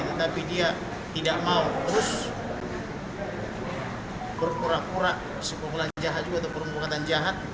tetapi dia tidak mau terus berkurang kurang sebuah buahan jahat juga atau perumpungan jahat